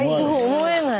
思えない。